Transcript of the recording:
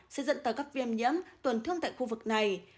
sẽ dẫn tới các viêm nhiễm tuần thương tại khu vực này